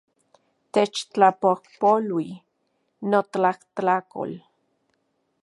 Techtlapojpolui, notlajtlakol